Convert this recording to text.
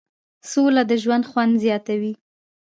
سوله د ژوند خوند زیاتوي.